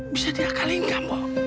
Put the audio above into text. bisa diakalin gak bu